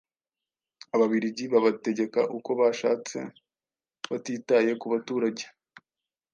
ababiligi babategeka uko bashatse batitaye ku baturage,